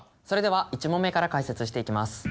それでは１問目から解説していきます。